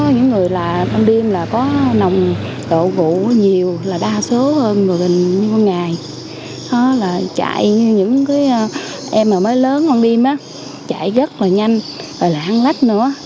nó là chạy như những cái em mà mới lớn con đêm á chạy rất là nhanh rồi là ăn lách nữa